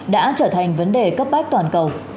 đã trở thành vấn đề cấp bách toàn cầu